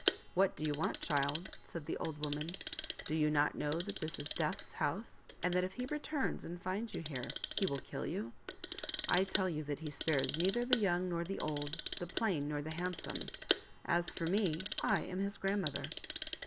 " What do you want, child ?" said the old woman ;" do you not know that this is Death's house, and that if he returns and finds you here he will kill you ? I tell you that he spares neither the young nor the old, the plain nor the handsome. As for me, I am his grandmother."